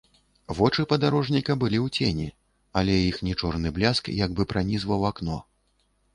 Вочы падарожніка былі ў цені, але іхні чорны бляск як бы пранізваў акно.